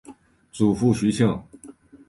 祖父徐庆。